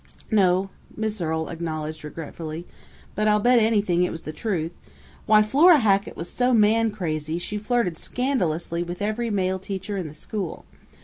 "No," Miss Earle acknowledged regretfully. "But I'll bet anything it was the truth!... Why, Flora Hackett was so man crazy she flirted scandalously with every male teacher in the school.